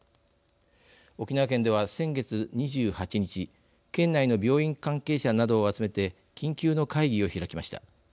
沖縄県では先月２８日県内の病院関係者などを集めて緊急の会議を開きました。